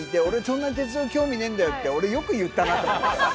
そんなに鉄道興味ねえんだよって俺よく言ったなと思って。